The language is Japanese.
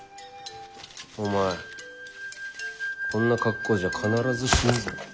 お前こんな格好じゃ必ず死ぬぞ。